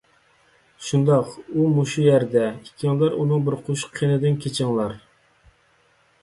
شۇنداق، ئۇ مۇشۇ يەردە. ئىككىڭلار ئۇنىڭ بىر قوشۇق قېنىدىن كېچىڭلار.